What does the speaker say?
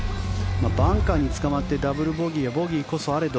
バンカーにつかまってダブルボギーやボギーこそあれど